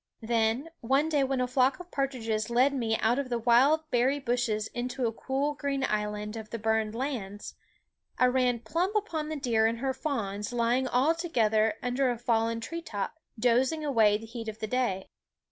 Then, one day when a flock of partridges led me out of the wild THE WOODS berry bushes into a cool green island of the burned lands, I ran plump upon the deer and her fawns lying all together under a fallen tree top, dozing away the heat of the day.